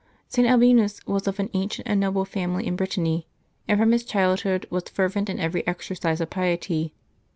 [t. Albinus was of an ancient and noble family in Brit tany, and from his childhood was fervent in every exercise of piety.